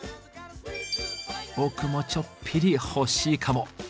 僕もちょっぴりほしいかも。